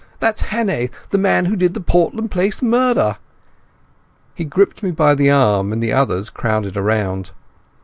That's Hannay, the man who did the Portland Place murder!" He gripped me by the arm, and the others crowded round.